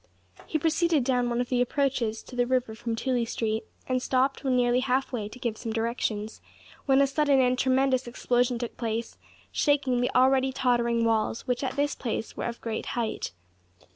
He proceeded down one of the approaches to the river from Tooley Street, and stopped when nearly half way to give some directions, when a sudden and tremendous explosion, took place, shaking the already tottering walls, which at this place were of great height.